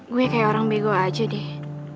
gue kayak orang bego aja deh